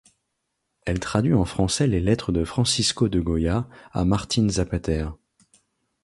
Elle traduit en français les lettres de Francisco de Goya à Martín Zapater.